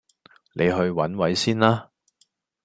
你去揾位先啦